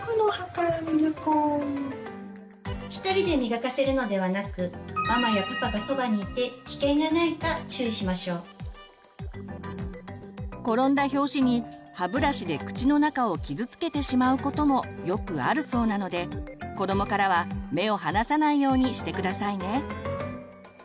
１人で磨かせるのではなくママやパパがそばにいて転んだ拍子に歯ブラシで口の中を傷つけてしまうこともよくあるそうなので子どもからは目を離さないようにしてくださいね。